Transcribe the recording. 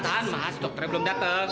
tahan mas dokternya belum dateng